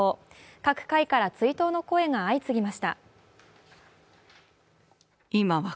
各界から追悼の声が相次ぎました。